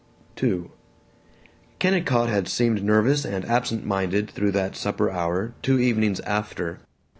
II Kennicott had seemed nervous and absent minded through that supper hour, two evenings after.